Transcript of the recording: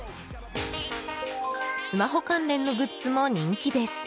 スマホ関連のグッズも人気です。